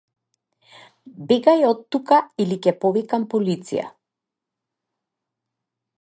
Бегај оттука или ќе повикам полиција.